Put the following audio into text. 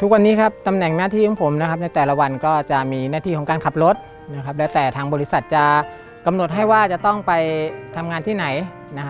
ทุกวันนี้ครับตำแหน่งหน้าที่ของผมนะครับในแต่ละวันก็จะมีหน้าที่ของการขับรถนะครับแล้วแต่ทางบริษัทจะกำหนดให้ว่าจะต้องไปทำงานที่ไหนนะฮะ